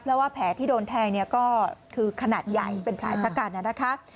เพราะว่าแผลที่โดนแทงเนี่ยก็คือขนาดใหญ่เป็นแผลชะกันนะคะ